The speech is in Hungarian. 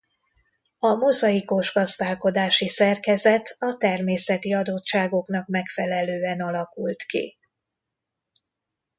A mozaikos gazdálkodási szerkezet a természeti adottságoknak megfelelően alakult ki.